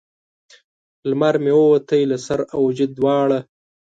لمر مې ووتی له سر او وجود دواړه